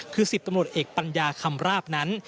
คือ๑๐ตำรวจเอกปัญญาคำราบนั้น